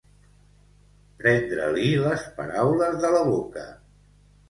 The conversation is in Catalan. Prendre-li les paraules de la boca.